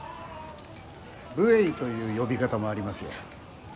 武衛という呼び方もありますよ。